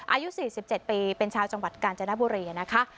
อายุ๔๗ปีเป็นชาวจังหวัดกาญจนบุรีนะคะ